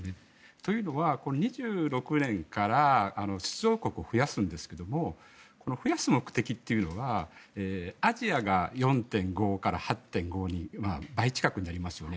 というのも２６年から出場国を増やすんですが増やす目的というのがアジアが４．５から８．５に倍近くになりますよね。